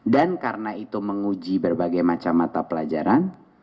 dan karena itu menguji berbagai macam mata pelajaran